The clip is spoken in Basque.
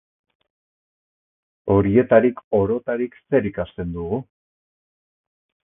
Horietarik orotarik zer ikasten dugu?